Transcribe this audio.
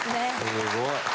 すごい。